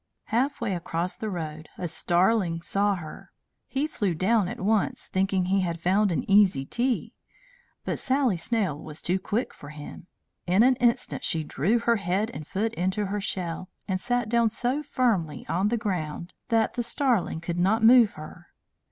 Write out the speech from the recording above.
Half way across the road a starling saw her. He flew down at once, thinking he had found an easy tea. But Sally Snail was too quick for him. In an instant she drew her head and foot into her shell, and sat down so firmly on the ground that the starling could not move her.